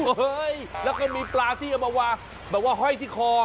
เฮ้ยแล้วก็มีปลาที่เอามาวางแบบว่าห้อยที่คอ